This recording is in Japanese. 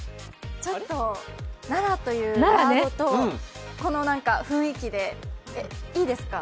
ちょっと奈良というワードとこの雰囲気でいいですか？